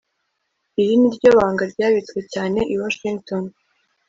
Iri ni ryo banga ryabitswe cyane i Washington